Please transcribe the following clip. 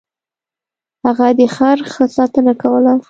هغه د خر ښه ساتنه کوله.